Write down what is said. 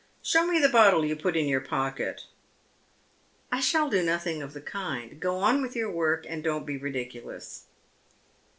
"Show me the bottle you put in your pocket." " I shall do nothing of the kind. Go on with your work, and don't be ridiculous."